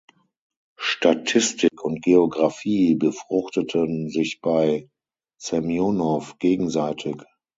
Statistik und Geographie befruchteten sich bei Semjonow gegenseitig.